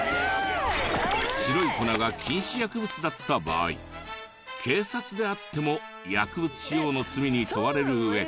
白い粉が禁止薬物だった場合警察であっても薬物使用の罪に問われるうえ。